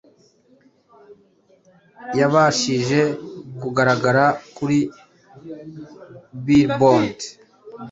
yabashije kugaragara kuri Billboard